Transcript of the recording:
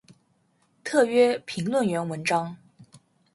特约评论员文章